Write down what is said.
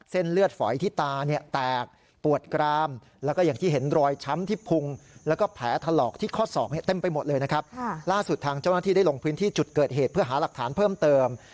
เส้นเลือดฝอยที่ตาเนี่ยแตกปวดกราม